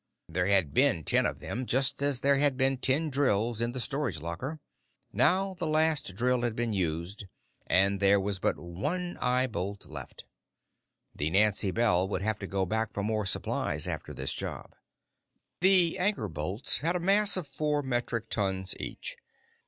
There had been ten of them, just as there had been ten drills in the storage locker. Now the last drill had been used, and there was but one eye bolt left. The Nancy Bell would have to go back for more supplies after this job. The anchor bolts had a mass of four metric tons each.